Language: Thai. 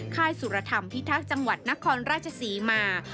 ค่ายสุรธรรมพิทักษ์จังหวัดนครราชศรีมา